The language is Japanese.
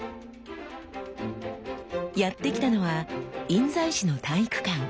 やって来たのは印西市の体育館。